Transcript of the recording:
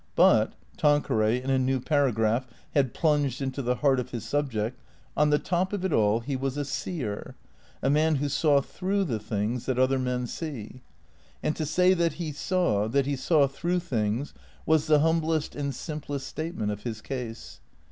But (Ta.iqueray, in a new paragraph, had plunged into the heart of his subject) on the top of it all he was a seer; a man who saw through the things that other men see. And to say that he saw, that he saw through things, was the humblest and simplest statement of his case.